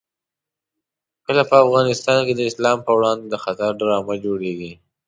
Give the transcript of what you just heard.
کله په افغانستان کې د اسلام په وړاندې د خطر ډرامه جوړېږي.